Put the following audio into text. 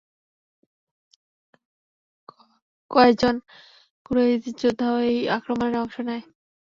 কয়েজন Quraysh যোদ্ধাও এই আক্রমণে অংশ নেয়।